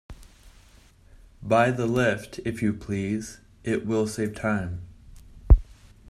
By the lift, if you please; it will save time.